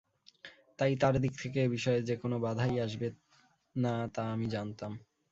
তাই তার দিক থেকে এ বিষয়ে যে কোনো বাঁধাই আসবে না তা আমি জানতাম।